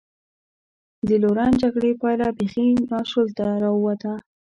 د لورن جګړې پایله بېخي ناشولته را ووته.